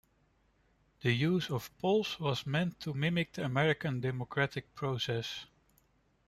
The use of polls was meant to mimic the American democratic process.